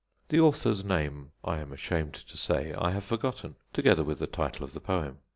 The author's name, I am ashamed to say, I have forgotten, together with the title of the poem.